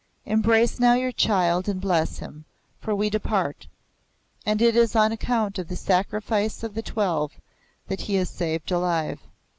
Embrace now your child and bless him, for we depart. And it is on account of the sacrifice of the Twelve that he is saved alive."